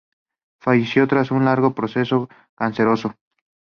Falleció tras un largo proceso canceroso.